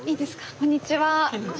こんにちは。